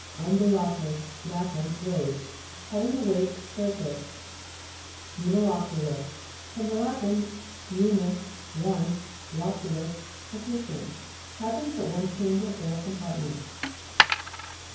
[JNDULA'TUS Lat. Waved; hav ing a waved surface. UNILO'CULAR fr. lat. unus, one, lo culus, partition. Having but one chamber or compartment.